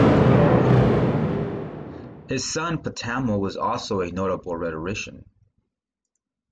His son Potamo was also a notable rhetorician.